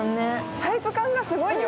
サイズ感がすごいよ。